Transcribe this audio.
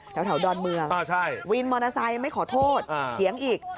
แถวดอนเมืองวินมอเตอร์ไซค์ไม่ขอโทษเถียงอีก